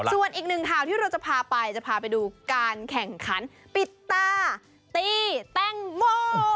ส่วนอีกหนึ่งข่าวที่เราจะพาไปจะพาไปดูการแข่งขันปิดตาตีแตงโม